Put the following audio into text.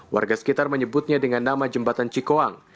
warga sekitar menyebutnya dengan nama jembatan cikoang